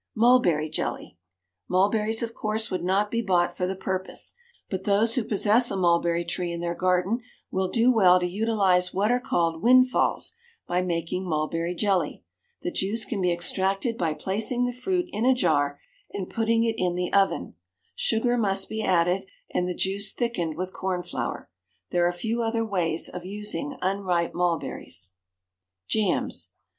MULBERRY JELLY. Mullberries, of course, would not be bought for the purpose, but those who possess a mulberry tree in their garden will do well to utilise what are called windfalls by making mulberry jelly. The juice can be extracted by placing the fruit in a jar and putting it in the oven; sugar must be added, and the juice thickened with corn flour. There are few other ways of using unripe mulberries. JAMS.